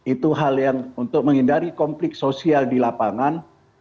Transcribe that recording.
itu hal yang untuk menghindari konflik sosial di lapangan